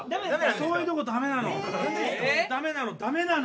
そういうとこダメなの。